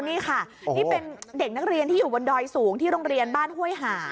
นี่ค่ะนี่เป็นเด็กนักเรียนที่อยู่บนดอยสูงที่โรงเรียนบ้านห้วยหา